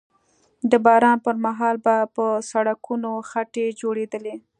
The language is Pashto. د باران پر مهال به په سړکونو خټې جوړېدلې